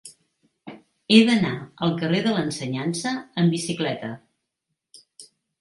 He d'anar al carrer de l'Ensenyança amb bicicleta.